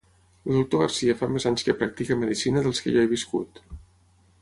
El doctor Garcia fa més anys que practica medicina dels que jo he viscut.